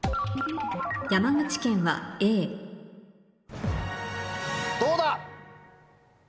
「山口県はＡ」どうだ？